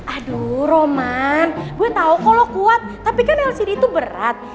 aduh roman gue tau kalau lo kuat tapi kan lcd itu berat